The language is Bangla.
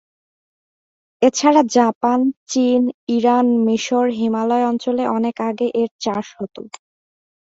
এছাড়া জাপান, চীন, ইরান, মিশর, হিমালয় অঞ্চলে অনেক আগে এর চাষ হত।